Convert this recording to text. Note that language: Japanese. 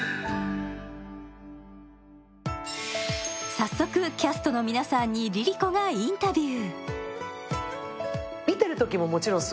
早速、キャストの皆さんにＬｉＬｉＣｏがインタビュー。